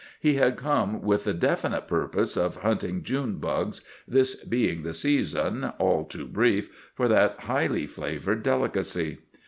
He had come with the definite purpose of hunting "June bugs," this being the season, all too brief, for that highly flavoured delicacy.